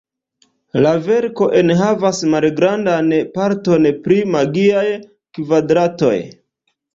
La verko enhavas malgrandan parton pri magiaj kvadratoj.